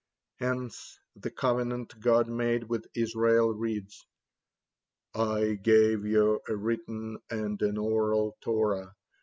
Hence the covenant God made with Israel reads: "I gave ye a written and an oral Torah.